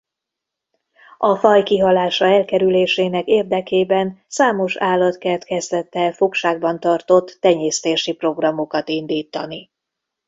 A faj kihalása elkerülésének érdekében számos állatkert kezdett el fogságban tartott tenyésztési programokat indítani.